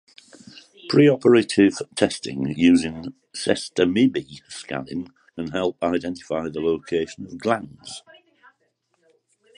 Preoperative testing using sestamibi scanning can help identify the location of glands.